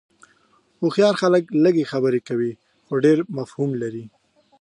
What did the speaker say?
هوښیار خلک لږ خبرې کوي خو ډېر مفهوم لري.